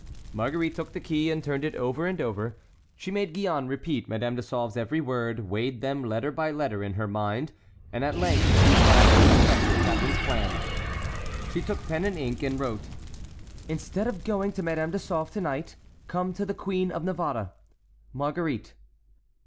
Marguerite took the key and turned it over and over; she made Gillonne repeat Madame de Sauve's every word, weighed them, letter by letter, in her mind, and at length thought she detected Catharine's plan. She took pen and ink, and wrote: "Instead of going to Madame de Sauve to night, come to the Queen of Navarre." "Marguerite."